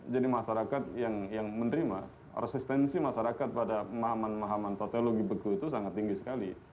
jadi masyarakat yang menerima resistensi masyarakat pada pemahaman pemahaman tautologi beku itu sangat tinggi sekali